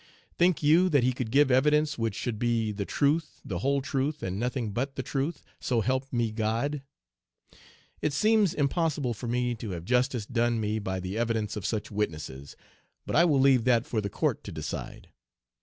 Think you that he could give evidence which should be "the truth, the whole truth, and nothing but the truth, so help me God?" It seems impossible for me to have justice done me by the evidence of such witnesses, but I will leave that for the court to decide.